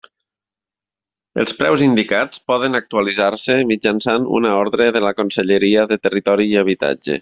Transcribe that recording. Els preus indicats poden actualitzar-se mitjançant una ordre de la Conselleria de Territori i Habitatge.